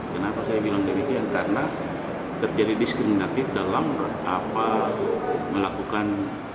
kenapa saya bilang demikian karena terjadi diskriminatif dalam melakukan